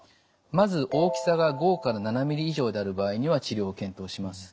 まず大きさが５７ｍｍ以上である場合には治療を検討します。